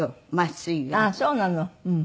あっそうなの。